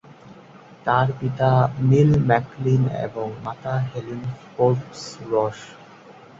তার পিতা নিল ম্যাকলিন এবং মাতা হেলেন ফোর্বস রস।